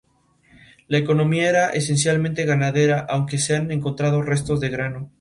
La economía era esencialmente ganadera, aunque se han encontrado restos de grano.